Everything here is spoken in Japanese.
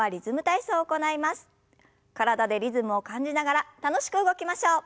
体でリズムを感じながら楽しく動きましょう。